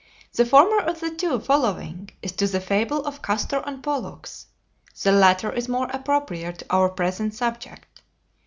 The former of the two following is to the fable of Castor and Pollux; the latter is more appropriate to our present subject.